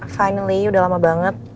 finally udah lama banget